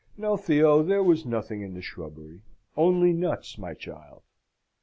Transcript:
"No, Theo, there was nothing in the shrubbery only nuts, my child!